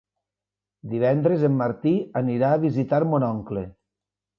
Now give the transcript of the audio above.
Divendres en Martí anirà a visitar mon oncle.